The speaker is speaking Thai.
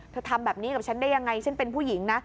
ทำแบบนี้กับฉันได้ยังไงฉันเป็นผู้หญิงนะ